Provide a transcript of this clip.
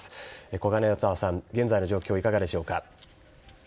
コガネザワさん現在の状況いかがでしょうか？